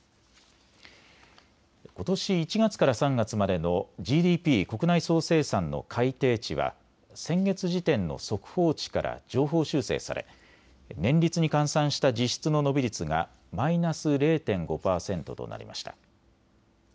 ことし１月から３月までのＧＤＰ・国内総生産の改定値は先月時点の速報値から上方修正され年率に換算した実質の伸び率がマイナス０．５％となりました。